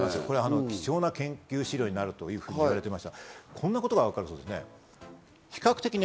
貴重な研究資料になると言われてました。